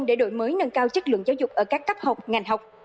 để đổi mới nâng cao chất lượng giáo dục ở các cấp học ngành học